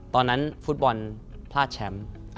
ตอนนั้นฟุตบอลพลาดแชมป์